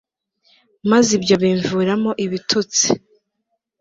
maze ibyo bimviramo ibituts.